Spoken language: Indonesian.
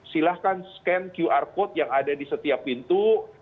silahkan scan qr code yang ada di setiap pintu